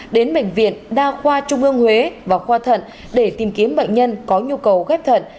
đến bệnh viện đa khoa trung ương huế và khoa thận để tìm kiếm bệnh nhân có nhu cầu ghép thận